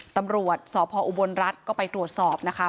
ตำรวจสพออุบลรัฐก็ไปตรวจสอบนะคะ